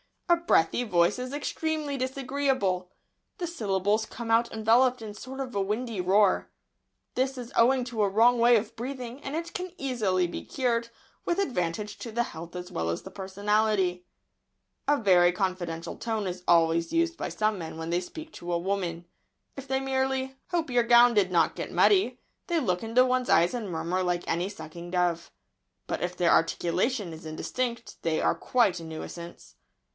A breathy voice is extremely disagreeable. The syllables come out enveloped in a sort of windy roar. This is owing to a wrong way of breathing, and it can easily be cured, with advantage to the health as well as the personality. [Sidenote: The confidential tone.] A very confidential tone is always used by some men when they speak to women. If they merely "hope your gown did not get muddy" they look into one's eyes and murmur like any sucking dove. But if their articulation is indistinct they are quite a nuisance.